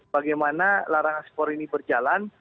bagaimana larangan skor ini berjalan